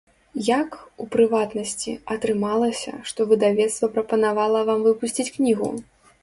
Як, у прыватнасці, атрымалася, што выдавецтва прапанавала вам выпусціць кнігу?